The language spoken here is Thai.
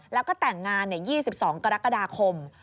แล้วก็แต่งงาน๒๒กรกฎาคม